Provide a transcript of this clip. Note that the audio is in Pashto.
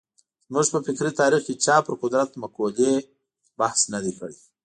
زموږ په فکري تاریخ کې چا پر قدرت مقولې بحث نه دی کړی.